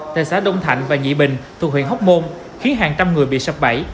tại xã đông thạnh và nhị bình thuộc huyện hóc môn khiến hàng trăm người bị sập bẫy